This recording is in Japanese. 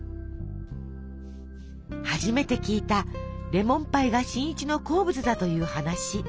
初めて聞いたレモンパイが新一の好物だという話。